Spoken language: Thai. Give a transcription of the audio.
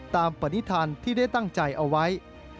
ตามปณิธรรมที่ได้ตั้งใจเอาไว้